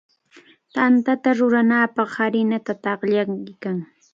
Tantata rurananpaq harinata taqllaykan.